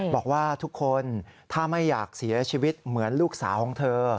บอกว่าทุกคนถ้าไม่อยากเสียชีวิตเหมือนลูกสาวของเธอ